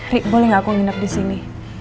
ri boleh gak aku nginep disini